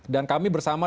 dan kami bersama